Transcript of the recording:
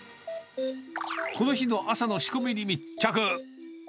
この日の朝の仕込みに密着。